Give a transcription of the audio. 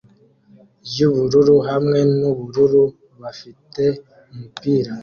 ryubururu hamwe nubururu bafite umupira